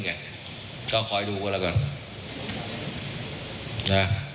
ก็คอยดูกันละก่อน